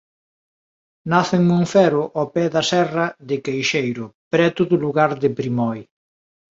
Nace en Monfero ao pé da serra de Queixeiro preto do lugar de Primoi.